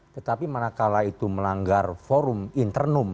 tetapi mana kala itu melanggar forum internum